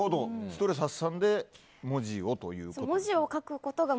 ストレス発散で文字をということで。